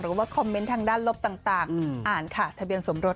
หรือว่าคอมเมนต์ทางด้านลบต่างอ่านค่ะทะเบียนสมรส